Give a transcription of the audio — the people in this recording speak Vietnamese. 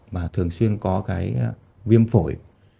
và thường xuyên có cái viêm phổi